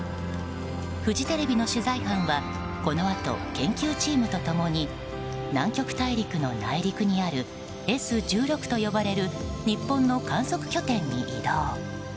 フジテレビの取材班はこのあと、研究チームと共に南極大陸の内陸にあるＳ１６と呼ばれる日本の観測拠点に移動。